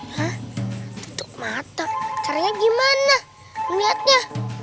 hah tutup mata caranya gimana niatnya